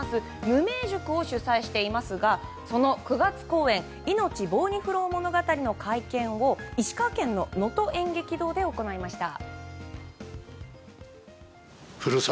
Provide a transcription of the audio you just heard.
無名塾を主宰していますがその９月公演「いのちぼうにふろう物語」の会見を石川県の能登演劇堂で行いました。